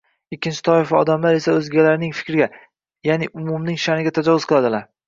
Ikkinchi toifa odamlar esa o‘zgalarning fikriga, ya’ni umumning sha’niga tajovuz qiladilar.